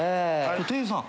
店員さん？